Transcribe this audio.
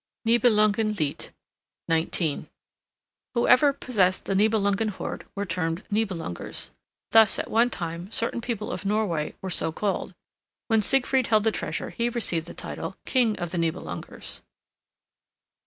Nibelungen Lied, XIX. Whoever possessed the Nibelungen hoard were termed Nibelungers. Thus at one time certain people of Norway were so called. When Siegfried held the treasure he received the title "King of the Nibelungers."